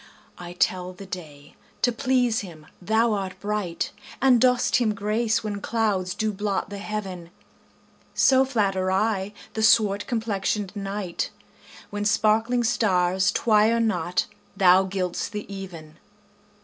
I tell the day, to please him thou art bright, And dost him grace when clouds do blot the heaven: So flatter I the swart complexion'd night, When sparkling stars twire not thou gild'st the even.